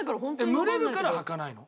蒸れるからはかないの？